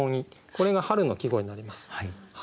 これが春の季語になります。